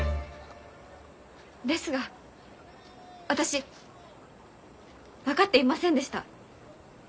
ですが私分かっていませんでした。